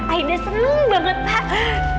aida seneng banget pak